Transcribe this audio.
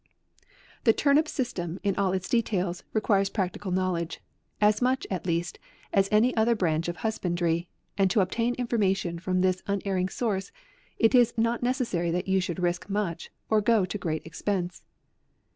" The turnip system," in all its details, re quires practical knowledge, as much at least, as any other branch of husbandry, and to obtain information from this unerring source, it is not necessary that you should risk much, or go to great expense.